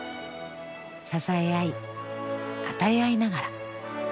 支え合い与え合いながら。